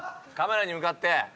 カメラに向かって。